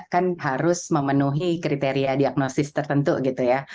kan harus memenuhi kriteria diagnosis tertentu gitu ya